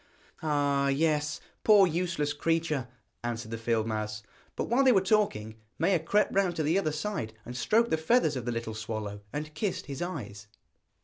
'Ah, yes, poor useless creature,' answered the field mouse. But while they were talking, Maia crept round to the other side and stroked the feathers of the little swallow, and kissed his eyes.